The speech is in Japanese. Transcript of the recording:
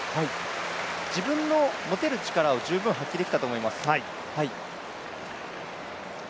自分の持てる力を十分発揮できたと思います。